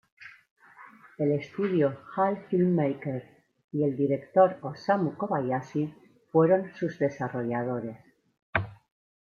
El estudio Hal Film Maker y el Director Osamu Kobayashi fueron sus desarrolladores.